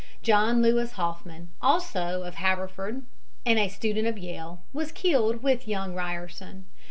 John Lewis Hoffman, also of Haverford and a student of Yale, was killed with young Ryerson.